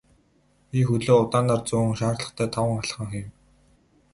Би хөлөө удаанаар зөөн шаардлагатай таван алхам хийв.